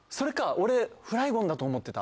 俺フライゴンだと思ってた。